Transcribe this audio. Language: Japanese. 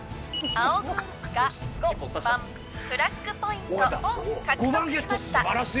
青軍が５番フラッグポイントを獲得しました。